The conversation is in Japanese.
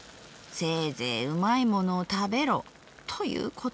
せいぜいうまいものを食べろということさ』。